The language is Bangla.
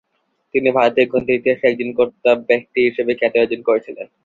তিনি ভারতীয় গণিতের ইতিহাসের একজন কর্তাব্যক্তি হিসাবে খ্যাতি অর্জন করেছিলেন।